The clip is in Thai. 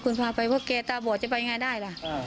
เพราะว่าแกตาบอดจะไปยังไงได้ล่ะ